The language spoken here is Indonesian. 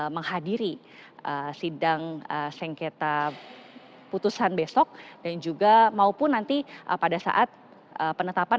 menghadiri sidang sengketa putusan besok dan juga maupun nanti pada saat penetapan